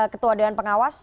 ketua dewan pengawas